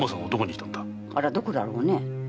あらどこだろうね？